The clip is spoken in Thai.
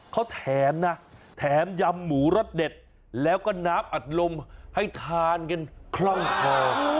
เขาแถมนะแถมยำหมูรสเด็ดแล้วก็น้ำอัดลมให้ทานกันคล่องคอ